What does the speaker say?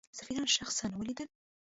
سفیران شخصا ولیدل.